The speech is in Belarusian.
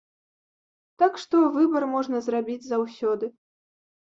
Так што выбар можна зрабіць заўсёды.